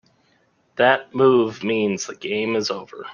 That move means the game is over.